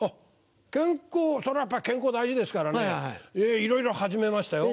健康そりゃやっぱ健康大事ですからねいろいろ始めましたよ。